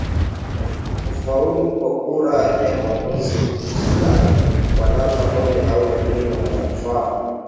kufaulu kwa kura ya maamuzi huku sudan kwa namna moja au nyingine na manufaa